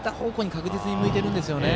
確実に向いてるんですよね。